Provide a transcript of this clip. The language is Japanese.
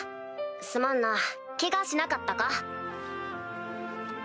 すまんなケガしなかったか？